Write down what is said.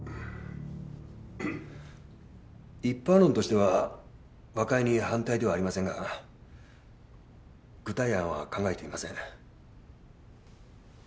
一般論としては和解に反対ではありませんが具体案は考えていません。